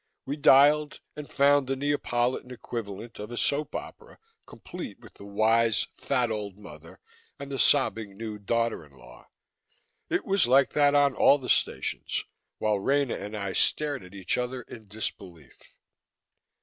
We dialed, and found the Neapolitan equivalent of a soap opera, complete with the wise, fat old mother and the sobbing new daughter in law. It was like that on all the stations, while Rena and I stared at each other in disbelief.